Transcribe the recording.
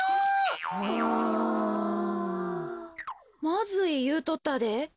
「まずい」いうとったで。